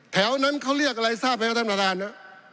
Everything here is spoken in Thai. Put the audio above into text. แถวนั้นเขาเรียกอะไรท่านอาจารย์น่ะ